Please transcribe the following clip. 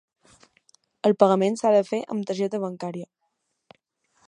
El pagament s'ha de fer amb targeta bancària.